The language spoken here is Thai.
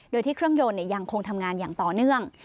โดยที่เครื่องยนต์ยังคงทำงานอย่างต่อเนื่อง